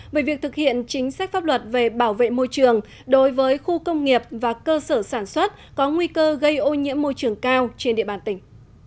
về việc thực hiện chính sách pháp luật về bảo vệ môi trường đối với khu công nghiệp và cơ sở sản xuất có nguy cơ gây ô nhiễm môi trường cao trên địa bàn tỉnh